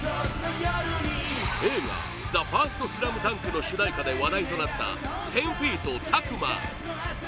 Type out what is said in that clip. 映画「ＴＨＥＦＩＲＳＴＳＬＡＭＤＵＮＫ」の主題歌で話題となった１０‐ＦＥＥＴ、ＴＡＫＵＭＡ